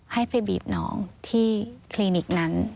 ให้ไปบีบน้องที่คลินิกนั้น